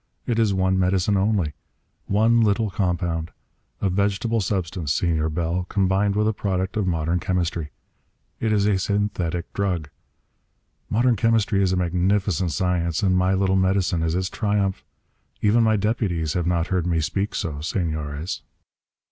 It is one medicine only. One little compound. A vegetable substance, Senor Bell, combined with a product of modern chemistry. It is a synthetic drug. Modern chemistry is a magnificent science, and my little medicine is its triumph. Even my deputies have not heard me speak so, Senores."